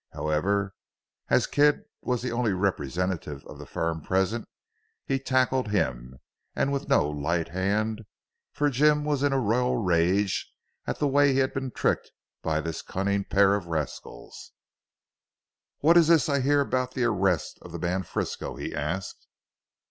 However, as Kidd was the only representative of the firm present, he tackled him, and with no light hand, for Jim was in a royal rage at the way he had been tricked by this cunning pair of rascals. "What is this I hear about the arrest of the man Frisco?" he asked.